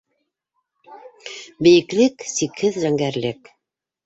Бейеклек, сикһеҙ зәңгәрлек.